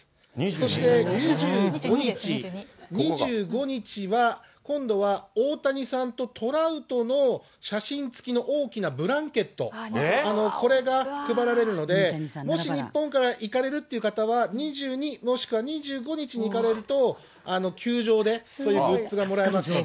そして２５日、２５日は今度は大谷さんとトラウトの写真付きの大きなブランケット、これが配られるので、もし日本から行かれるという方は、２２、もしくは２５日に行かれると、球場で、そういうグッズがもらえますので。